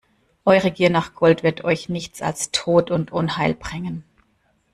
Eure Gier nach Gold wird euch nichts als Tod und Unheil bringen!